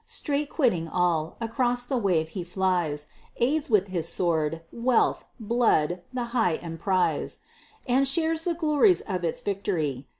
Straight quitting all, across the wave he flies, Aids with his sword, wealth, blood, the high emprize! And shares the glories of its victory.